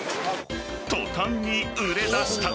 途端に売れ出した。